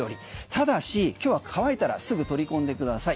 ただし、今日は乾いたらすぐ取り込んでください。